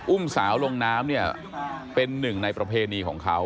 อุ้มสาวลงน้ำเนี่ยเป็นหนึ่งในประเพณีของเขา